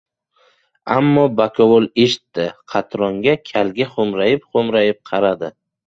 Ammo bakovul eshitdi. Qatron kalga xo‘mrayib-xo‘mrayib qaradi.